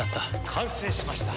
完成しました。